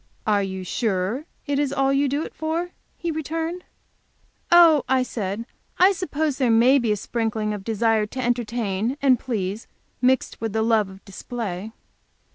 "Are you sure it is all you do it for?" he returned. "Oh," I said, "I suppose there may be a sprinkling of desire to entertain and please, mixed with the love of display."